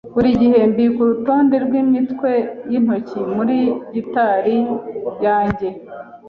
Buri gihe mbika urutonde rwimitwe yintoki muri gitari yanjye.